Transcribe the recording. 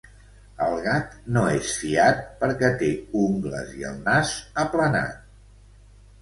El gat no és fiat perquè té ungles i el nas aplanat.